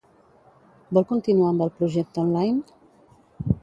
Vol continuar amb el projecte online?